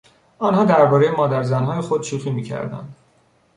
آنها دربارهی مادرزنهای خود شوخی میکردند.